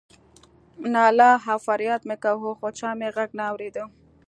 ناله او فریاد مې کاوه خو چا مې غږ نه اورېده.